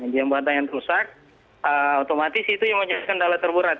jembatan yang rusak otomatis itu menyebabkan kendala terburat